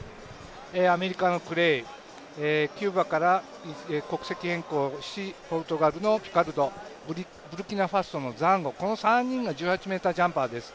アメリカのクレイ、キューバから国籍変更し、ポルトガルのピカルド、ブルキナファソのザンゴ、この３人が１８ｍジャンパーです。